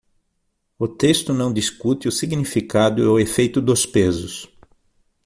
O texto não discute o significado e o efeito dos pesos.